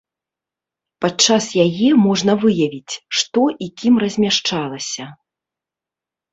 Падчас яе можна выявіць, што і кім размяшчалася.